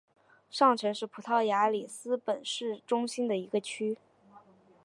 上城是葡萄牙里斯本市中心的一个区。